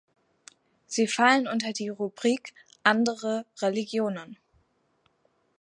Sie fallen unter die Rubrik andere Religionen.